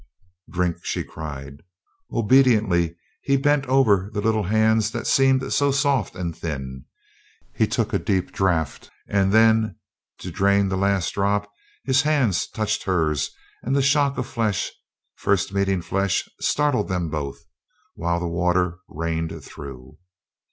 "Drink," she cried. Obediently he bent over the little hands that seemed so soft and thin. He took a deep draught; and then to drain the last drop, his hands touched hers and the shock of flesh first meeting flesh startled them both, while the water rained through.